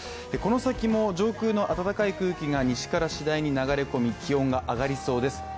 この先も上空の暖かい空気が西から次第に流れ込み気温が上がりそうです。